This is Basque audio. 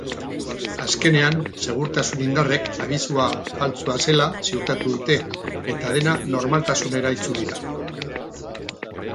Azkenean, segurtasun-indarrek abisua faltsua zela ziurtatu dute eta dena normaltasunera itzuli da.